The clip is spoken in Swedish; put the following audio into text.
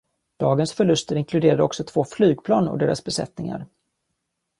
Dagens förluster inkluderade också två flygplan och deras besättningar.